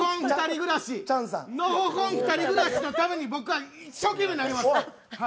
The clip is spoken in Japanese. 「のほほんふたり暮らし」のために僕は一生懸命投げます！